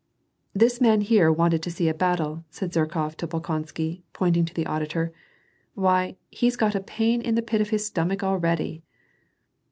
"This man here wanted to see a battle," said Zherkof to Bolkonsky, pointing to the auditor. " Why, he's got a pain in the pit of his stomach already